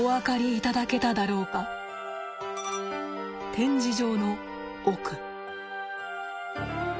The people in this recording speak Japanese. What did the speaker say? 展示場の奥。